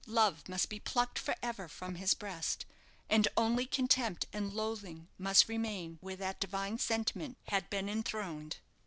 Love must be plucked for ever from his breast, and only contempt and loathing must remain where that divine sentiment had been enthroned.